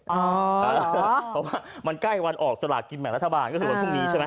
เพราะว่ามันใกล้วันออกสลากกินแบ่งรัฐบาลก็คือวันพรุ่งนี้ใช่ไหม